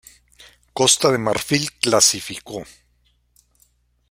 Costa de Marfil clasificó.